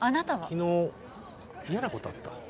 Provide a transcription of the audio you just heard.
昨日嫌なことあった？